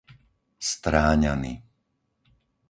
Stráňany